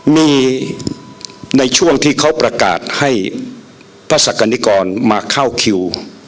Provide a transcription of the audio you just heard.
มีในช่วงที่เขาประกาศให้พระศักดิกรมาเข้าคิว